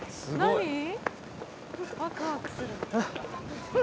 すごい。